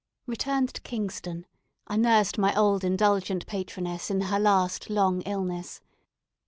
Returned to Kingston, I nursed my old indulgent patroness in her last long illness.